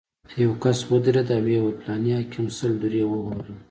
یو کس ودرېد او ویې ویل: فلاني حاکم سل درې ووهلم.